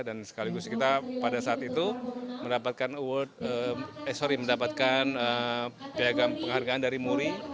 dan sekaligus kita pada saat itu mendapatkan penghargaan dari muri